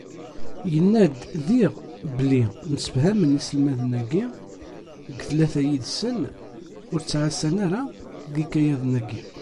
Yenna-d diɣ belli msefhamen, iselmaden-agi deg tlata yid-sen ur ttɛassan ara deg yikayaden-agi.